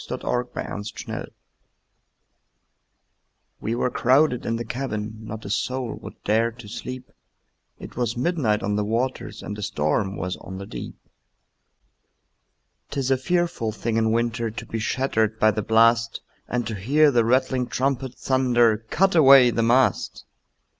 Y Z Ballad of the Tempest WE were crowded in the cabin, Not a soul would dare to sleep, It was midnight on the waters, And a storm was on the deep. 'Tis a fearful thing in winter To be shattered by the blast, And to hear the rattling trumpet Thunder, "Cut away the mast!"